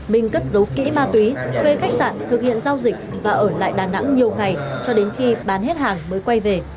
minh cất giấu kỹ ma túy thuê khách sạn thực hiện giao dịch và ở lại đà nẵng nhiều ngày cho đến khi bán hết hàng mới quay về